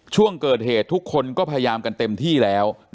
ช่วงเกิดเหตุทุกคนก็พยายามกันเต็มที่แล้ว